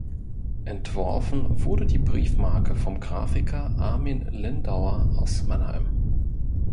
Entworfen wurde die Briefmarke vom Grafiker Armin Lindauer aus Mannheim.